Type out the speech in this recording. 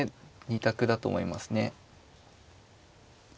２択だと思いますね。